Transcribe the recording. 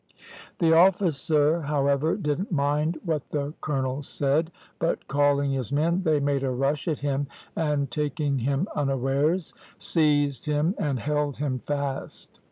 "The officer, however, didn't mind what the colonel said; but calling his men, they made a rush at him, and taking him unawares, seized him and held him fast.